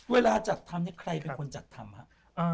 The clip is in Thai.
เวลาจัดทำใครเป็นคนจัดทำ